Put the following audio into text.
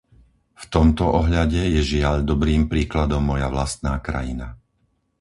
V tomto ohľade je žiaľ dobrým príkladom moja vlastná krajina.